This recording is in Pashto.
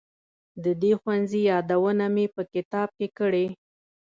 د دې ښوونځي یادونه مې په کتاب کې کړې.